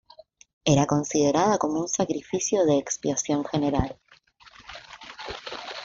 Era considerada como un sacrificio de expiación general.